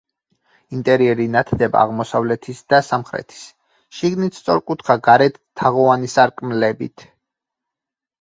ინტერიერი ნათდება აღმოსავლეთის და სამხრეთის, შიგნით სწორკუთხა გარეთ თაღოვანი სარკმლებით.